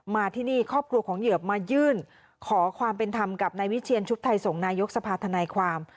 มาที่นี่ครอบครัวของเหยื่อมายื่นขอความเป็นธรรมกับนายวิเชียนชุดไทยส่งนายกสภาธนายความ